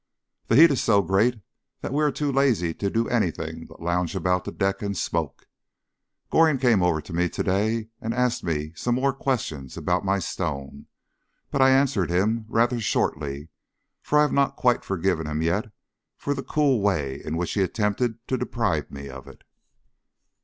The heat is so great that we are too lazy to do anything but lounge about the decks and smoke. Goring came over to me to day and asked me some more questions about my stone; but I answered him rather shortly, for I have not quite forgiven him yet for the cool way in which he attempted to deprive me of it.